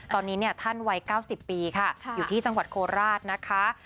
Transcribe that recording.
ตอนนี้ท่านวัย๙๐ปีค่ะอยู่ที่จังหวัดโคราชนะคะ